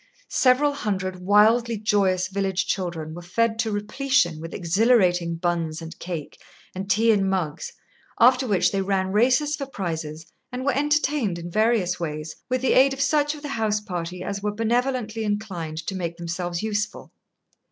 Several hundred wildly joyous village children were fed to repletion with exhilarating buns and cake, and tea in mugs, after which they ran races for prizes, and were entertained in various ways, with the aid of such of the house party as were benevolently inclined to make themselves useful.